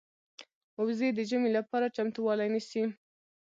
وزې د ژمې لپاره چمتووالی نیسي